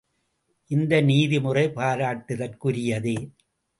இந்த நீதி முறை பாராட்டுதற்குரியதே.